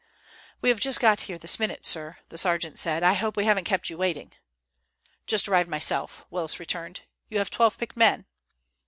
"We have just got here this minute, sir," the sergeant said. "I hope we haven't kept you waiting." "Just arrived myself," Willis returned. "You have twelve picked men?"